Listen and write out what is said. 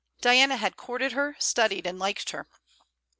Diana had courted her, studied and liked her.